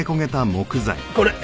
これ。